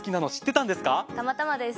たまたまです。